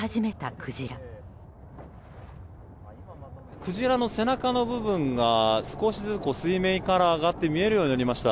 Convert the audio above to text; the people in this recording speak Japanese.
クジラの背中の部分が少しずつ水面から上がって見えるようになりました。